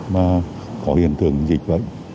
mà có hiện tượng dịch vụ